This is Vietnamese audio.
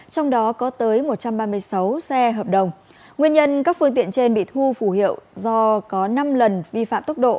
trong đó có tới một trăm ba mươi sáu xe hợp đồng nguyên nhân các phương tiện trên bị thu phủ hiệu do có năm lần vi phạm tốc độ